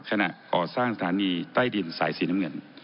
ขณะก่อสร้างสถานีใต้ดินสายสีน้ำเงิน